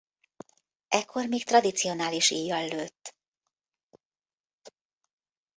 Ekkor még tradicionális íjjal lőtt.